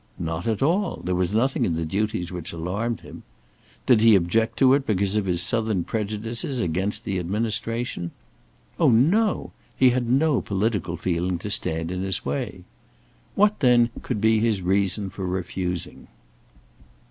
Not at all! there was nothing in the duties which alarmed him. Did he object to it because of his southern prejudices against the administration? Oh, no! he had no political feeling to stand in his way. What, then, could be his reason for refusing?